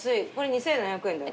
２，７００円だよ。